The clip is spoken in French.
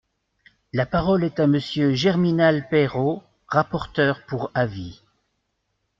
La parole est à Monsieur Germinal Peiro, rapporteur pour avis.